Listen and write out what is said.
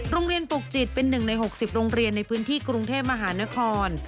โรงเรียนปลูกจิตเป็น๑ใน๖๐โรงเรียนในพื้นที่กรุงเทพมหานคร